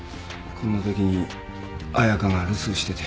こんなときに彩佳が留守してて。